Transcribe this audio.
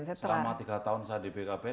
ya selama tiga tahun saya di bkkbn